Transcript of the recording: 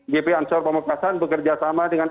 gp ansor pamekasan bekerjasama dengan